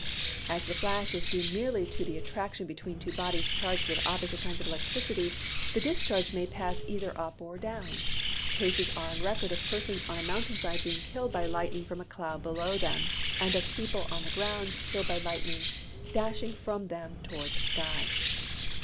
As the flash is due merely to the attraction between two bodies charged with opposite kinds of electricity, the discharge may pass either up or down. Cases are on record of persons on a mountain side being killed by lightning from a cloud below them, and of people on the ground killed by lightning dashing from them toward the sky.